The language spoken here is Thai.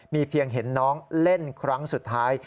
เพียงเห็นน้องเล่นครั้งสุดท้าย